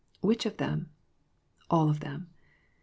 Which of them? All of them.